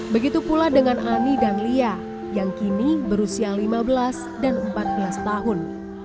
begitu pula dengan ani dan lia yang kini berusia lima belas dan empat belas tahun